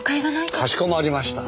かしこまりました。